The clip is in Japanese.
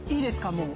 もう。